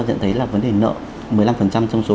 nhận thấy là vấn đề nợ một mươi năm trong số